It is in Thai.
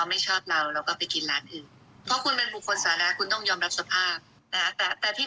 มันทำให้รู้สึกหดหูนะว่าระหว่างสมัยประชุมเนี่ย